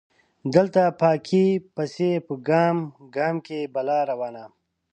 دلته پاکۍ پسې په ګام ګام کې بلا روانه